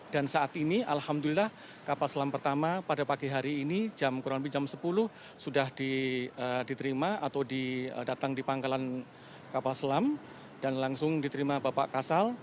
dan saat ini alhamdulillah kapal selam pertama pada pagi hari ini kurang lebih jam sepuluh sudah diterima atau datang di pangkalan kapal selam dan langsung diterima bapak kasal